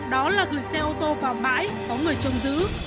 đó là gửi xe ô tô vào bãi có người trông giữ